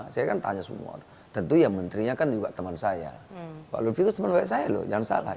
saya kan tanya semua tentu ya menterinya kan juga teman saya pak lutfi itu teman baik saya loh jangan salah